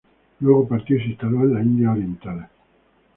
Luego partió y se instaló en las Indias orientales.